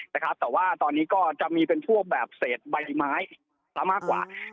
แต่ว่าตอนนี้ก็จะมีเป็นพวกแบบเศษใบไม้ซะมากกว่า